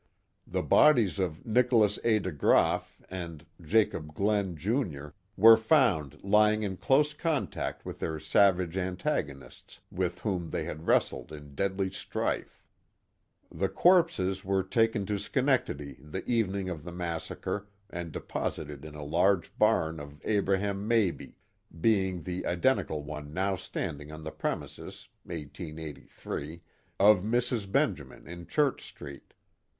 The bodies of Nicholas A. DeGraaf and Jacob Glen, Jr., were found lying in close contact with their savage antagonists, with whom they had wrestled in deadly strife. The corpses were taken to Schenectady the evening of the massacre and deposited in a large barn of Abraham Mabee, being the identical one now standing on the premises (1883) of Mrs. Benjamin in Church Street.